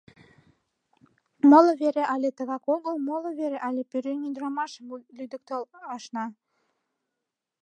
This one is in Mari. Моло вере але тыгак огыл, моло вере але пӧръеҥ ӱдырамашым лӱдыктыл ашна.